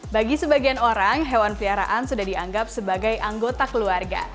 bagi sebagian orang hewan peliharaan sudah dianggap sebagai anggota keluarga